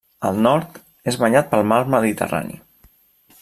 Al nord, és banyat pel Mar Mediterrani.